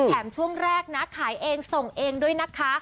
ช่วงแรกนะขายเองส่งเองด้วยนะคะ